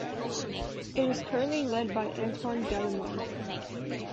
It is currently led by Antoine Gallimard.